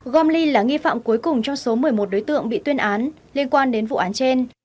gomly là nghi phạm cuối cùng trong số một mươi một đối tượng bị tuyên án liên quan đến vụ án trên